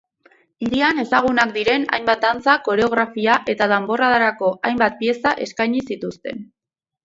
Hirian ezagunak diren hainbat dantza, koreografia eta danborradarako hainbat pieza eskaini zituzten.